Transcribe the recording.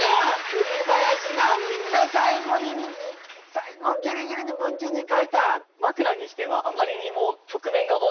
栗林何で最後に最後ギリギリに文鎮に変えた？